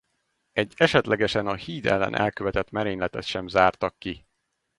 Egy esetlegesen a híd ellen elkövetett merényletet sem zártak ki.